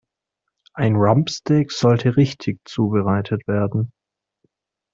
Ein Rumpsteak sollte richtig zubereitet werden.